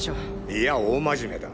いや大真面目だ。